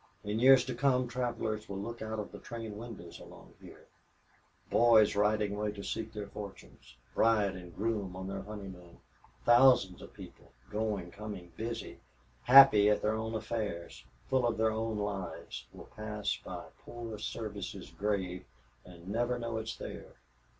In years to come travelers will look out of the train windows along here. Boys riding away to seek their fortunes! Bride and groom on their honeymoon! Thousands of people going, coming, busy, happy at their own affairs, full of their own lives will pass by poor Service's grave and never know it's there!"